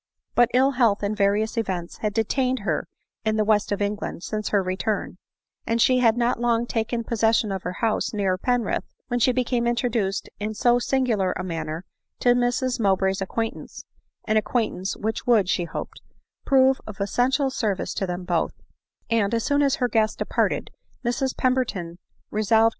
But ill health and various events had detained her in the west of England since her return ; and she had not long taken possession of her house near Penrith, when she became introduced in so singular a manner to Mrs Mowbray's acquaintance — an acquainiance, which would, she hoped, prove of essential service to them both ; and as soon as her, guest departed, Mrs Pemberton resolved ADELINE MOWBRAY.